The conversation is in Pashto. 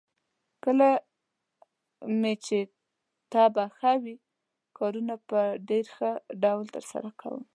کله مې چې طبعه ښه وي، کارونه په ډېر ښه ډول ترسره کوم.